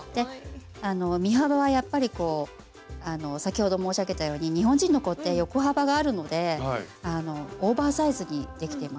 身幅はやっぱりこう先ほど申し上げたように日本人の子って横幅があるのでオーバーサイズにできています。